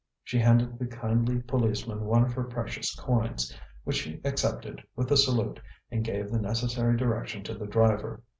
she handed the kindly policeman one of her precious coins, which he accepted with a salute, and gave the necessary direction to the driver.